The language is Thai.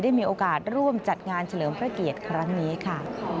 มีโอกาสร่วมจัดงานเฉลิมพระเกียรติครั้งนี้ค่ะ